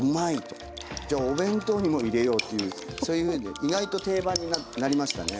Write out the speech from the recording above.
じゃあお弁当にも入れようとそういうふうに意外と定番になりましたね。